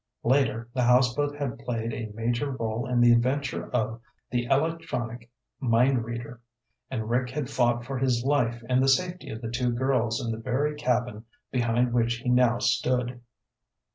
Later, the houseboat had played a major role in the adventure of The Electronic Mind Reader, and Rick had fought for his life and the safety of the two girls in the very cabin behind which he now stood.